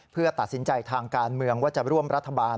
เพื่อตัดสินใจทางการเมืองว่าจะร่วมรัฐบาล